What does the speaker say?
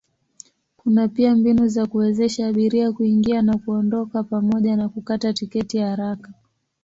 Kuna pia mbinu za kuwezesha abiria kuingia na kuondoka pamoja na kukata tiketi haraka.